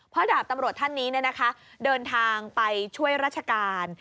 เพราะดาบตำรวจท่านนี้เดินทางไปช่วยราชการ